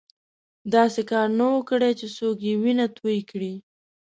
داسې کار نه وو کړی چې څوک یې وینه توی کړي.